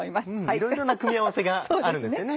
いろいろな組み合わせがあるんですよね。